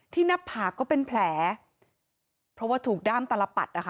หน้าผากก็เป็นแผลเพราะว่าถูกด้ามตลปัดนะคะ